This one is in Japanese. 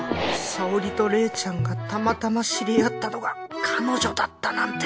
沙織と麗ちゃんがたまたま知り合ったのが彼女だったなんて